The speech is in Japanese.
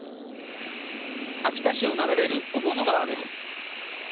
秋田市を流れる雄物川です。